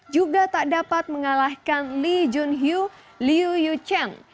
juga tak dapat mengalahkan li junhyu liu yu cheng